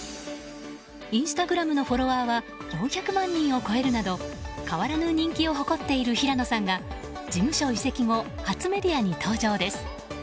インスタグラムのフォロワーは４００万人を超えるなど変わらぬ人気を誇っている平野さんが事務所移籍後初メディアに登場です。